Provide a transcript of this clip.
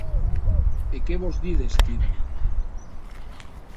E qué vos didec Stiva?